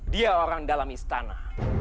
dia orang dalam istana